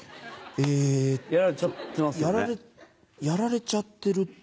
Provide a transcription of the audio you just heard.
やられちゃってる？